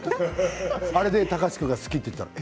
あれで貴司君が好きって言ったらえ？